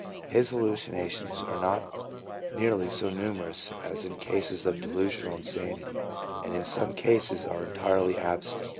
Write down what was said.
His hallucinations are not nearly so numerous as in cases of delusional insanity, and in some cases are entirely absent.